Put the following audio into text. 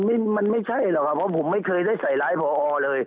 มันไม่ใช่หรอกครับเพราะผมไม่เคยได้ใส่ร้ายพอเลย